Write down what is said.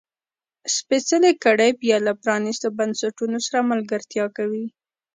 سپېڅلې کړۍ بیا له پرانیستو بنسټونو سره ملګرتیا کوي.